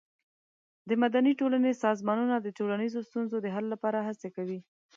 د مدني ټولنې سازمانونه د ټولنیزو ستونزو د حل لپاره هڅه کوي.